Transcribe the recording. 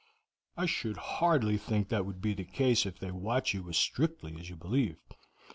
"I should hardly think that would be the case if they watch you as strictly as you believe.